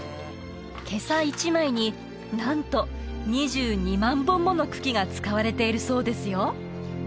袈裟１枚になんと２２万本もの茎が使われているそうですよ